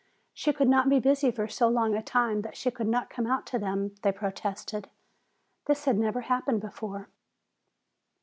She could not be busy for so long a time that she could not come out to them, they protested. This had never happened before.